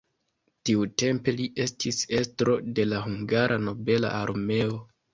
Tiutempe li estis estro de la hungara nobela armeo.